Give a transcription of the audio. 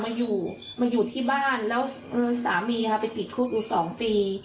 มาอยู่มาอยู่ที่บ้านแล้วสามีไปติดคุกอยู่สองปี